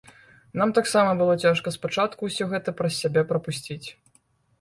Нам таксама было цяжка спачатку ўсё гэта праз сябе прапусціць.